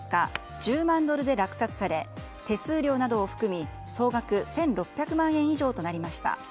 １０万ドルで落札され手数料などを含み総額１６００万円以上となりました。